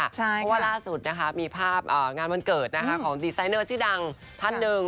เพราะว่าล่าสุดนะคะมีภาพงานวันเกิดนะคะของดีไซเนอร์ชื่อดังท่านหนึ่ง